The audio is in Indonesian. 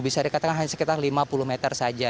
bisa dikatakan hanya sekitar lima puluh meter saja